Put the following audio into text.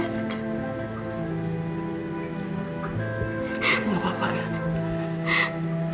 kamu gak apa apa kan